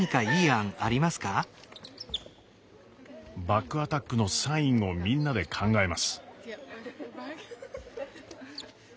バックアタックのサインをみんなで考えます。